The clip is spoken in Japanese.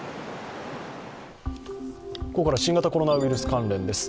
ここからは新型コロナウイルス関連です。